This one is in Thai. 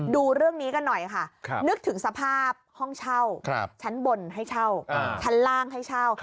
ดูเรื่องนี้กันหน่อยค่ะนึกถึงสภาพห้องเช่าชั้นบนให้เช่าชั้นล่างให้เช่า